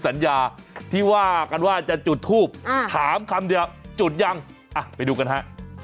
สัญญาที่ว่ากันว่าจะจุดทูบถามคำเดียวจุดยังอ่ะไปดูกันฮะ